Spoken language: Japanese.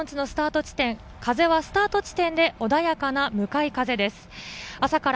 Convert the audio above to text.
立川駐屯地のスタート地点、風はスタート地点で穏やかな向かい風です。